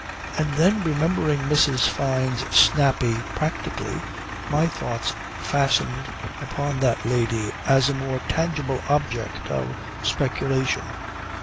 And then remembering Mrs. Fyne's snappy "Practically" my thoughts fastened upon that lady as a more tangible object of speculation.